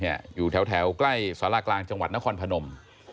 อยู่แถวใกล้สารากลางจังหวัดนครพนม